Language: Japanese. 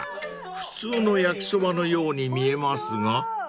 ［普通の焼きそばのように見えますが］